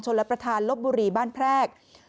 รับประทานลบบุรีบ้านแพรก